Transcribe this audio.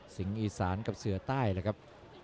สิงห์อีศานกับเสือใต้เลยครับ